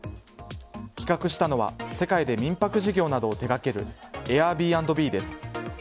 企画したのは世界で民泊事業などを手掛けるＡｉｒｂｎｂです。